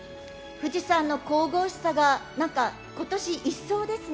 富士山の神々しさが今年、一層ですね。